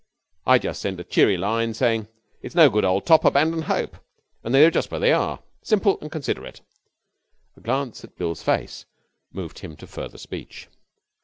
I just send a cheery line saying "It's no good, old top. Abandon hope," and they know just where they are. Simple and considerate.' A glance at Bill's face moved him to further speech.